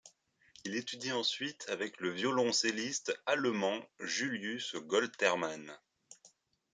Il étudie ensuite avec le violoncelliste allemand Julius Goltermann.